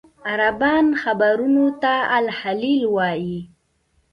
عربان حبرون ته الخلیل وایي.